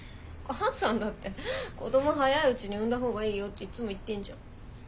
お母さんだって子ども早いうちに産んだ方がいいよっていつも言ってんじゃん。